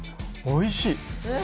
おいしい。